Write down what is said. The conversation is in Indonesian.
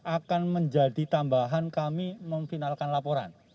akan menjadi tambahan kami memfinalkan laporan